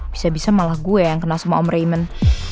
bisa bisa malah gue yang kena sama om raymond